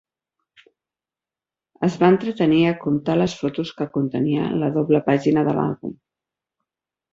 Es va entretenir a comptar les fotos que contenia la doble pàgina de l'àlbum.